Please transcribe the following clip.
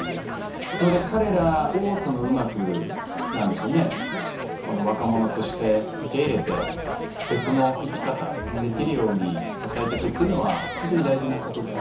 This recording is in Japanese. ので彼らをうまく何でしょうね若者として受け入れて別の生き方できるように支えてくっていうのは本当に大事なことで。